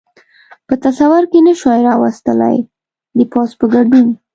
په تصور کې نه شوای را وستلای، د پوځ په ګډون.